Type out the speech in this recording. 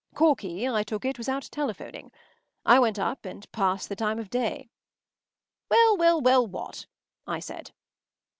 Corky, I took it, was out telephoning. I went up and passed the time of day. “Well, well, well, what?” I said.